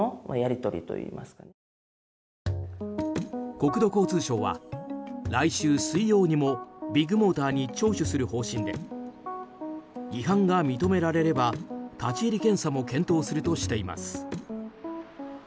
国土交通省は、来週水曜にもビッグモーターに聴取する方針で違反が認められれば立ち入り検査も検討するとしています。